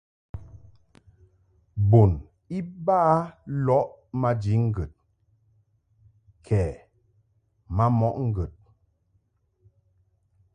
Bun iba lɔʼ maji ŋgəd kɛ ma mɔʼ ŋgəd.